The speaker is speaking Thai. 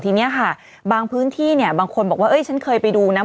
ทีนี้ค่ะบางพื้นที่เนี่ยบางคนบอกว่าฉันเคยไปดูนะ